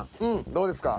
どうですか？